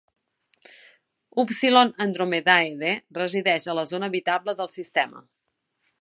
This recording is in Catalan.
Upsilon Andromedae d resideix a la zona habitable del sistema.